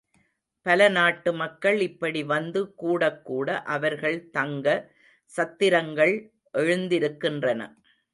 பல நாட்டு மக்கள் இப்படி வந்து கூடக் கூட அவர்கள் தங்க சத்திரங்கள் எழுந்திருக்கின்றன.